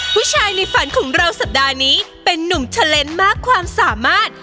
ผู้ชายในฝันของเราสัปดาห์นี้เป็นนุ่มเทอร์เลนส์มากความสามารถ